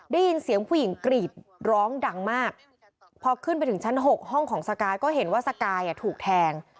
ได้ยินเสียงผู้หญิงกรีดร้องดังมากพอขึ้นไปถึงชั้น๖ห้องของสกายก็เห็นว่าสกายถูกแทง